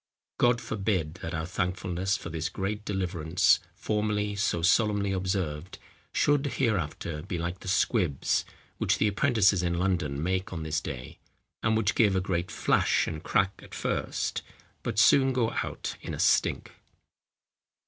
God forbid that our thankfulness for this great deliverance, formerly so solemnly observed, should hereafter be like the squibs which the apprentices in London make on this day; and which give a great flash and crack at first, but soon go out in a stink."